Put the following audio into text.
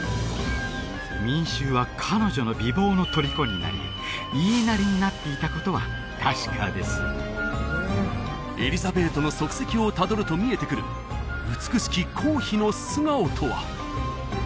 民衆は彼女の美貌のとりこになり言いなりになっていたことは確かですエリザベートの足跡をたどると見えてくる美しき皇妃の素顔とは？